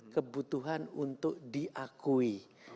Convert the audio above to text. kebutuhan untuk diakui